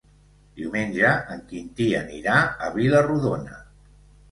Diumenge en Quintí anirà a Vila-rodona.